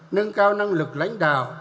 nâng cao năng lực lãnh đạo